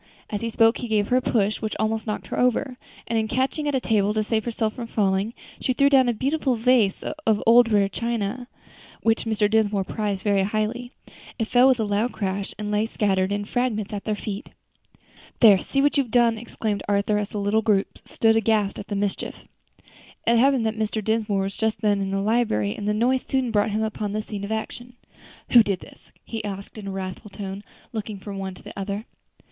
As he spoke he gave her a push, which almost knocked her over, and in catching at a table to save herself from falling, she threw down a beautiful vase of rare old china, which Mr. Dinsmore prized very highly. It fell with a loud crash, and lay scattered in fragments at their feet. "There, see what you've done!" exclaimed Arthur, as the little group stood aghast at the mischief. It happened that Mr. Dinsmore was just then in the library, and the noise soon brought him upon the scene of action. "Who did this?" he asked, in a wrathful tone, looking from one to the other.